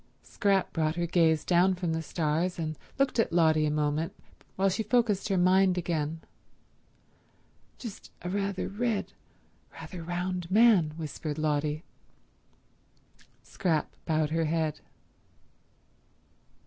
Scrap brought her gaze down from the stars and looked at Lotty a moment while she focused her mind again. "Just a rather red, rather round man," whispered Lotty. Scrap bowed her head.